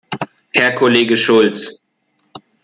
Herr Kollege Schulz!